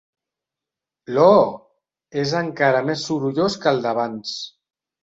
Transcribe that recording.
L'«ooooh!» és encara més sorollós que el d'abans.